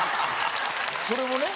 それもね。